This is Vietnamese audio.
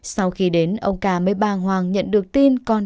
sau khi đến ông km ba hoàng nhận được tin